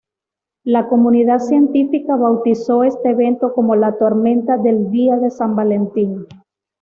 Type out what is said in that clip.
La comunidad científica bautizó este evento como la "Tormenta del día de San Valentín".